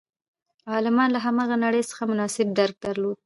عالمانو له هماغه نړۍ څخه مناسب درک درلود.